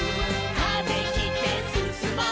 「風切ってすすもう」